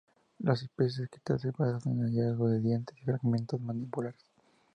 Las especies descritas se basan en hallazgos de dientes y fragmentos mandibulares.